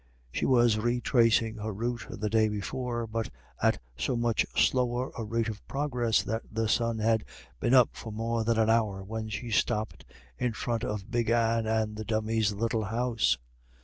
She was retracing her route of the day before, but at so much slower a rate of progress that the sun had been up for more than an hour when she stopped in front of Big Anne and the Dummy's little house.